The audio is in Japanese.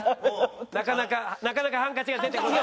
なかなかなかなかハンカチが出てこない。